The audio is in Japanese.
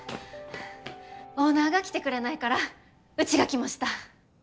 オーナーが来てくれないからうちが来ました。